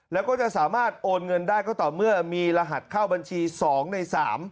แล้วก็จะสามารถโอนเงินได้ก็ต่อเมื่อมีรหัสเข้าบัญชี๒ใน๓